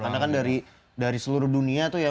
karena kan dari seluruh dunia itu ya